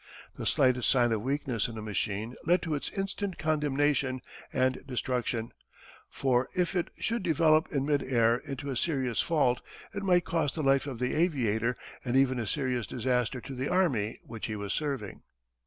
The slightest sign of weakness in a machine led to its instant condemnation and destruction, for if it should develop in mid air into a serious fault it might cost the life of the aviator and even a serious disaster to the army which he was serving.